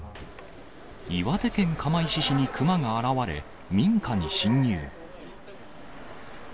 岩手県釜石市に熊が現われ、民家に侵入。